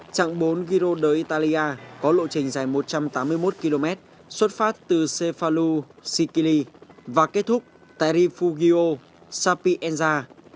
trạng bốn giro d italia có lộ trình dài một trăm tám mươi một km xuất phát từ cefalu sikili và kết thúc tại rifugio sapienza